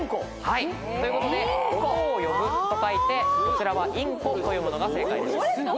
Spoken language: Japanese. ということで音を呼ぶと書いてこちらは「インコ」と読むのが正解。